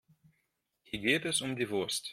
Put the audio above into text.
Hier geht es um die Wurst.